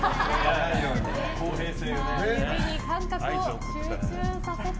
手に感覚を集中させて。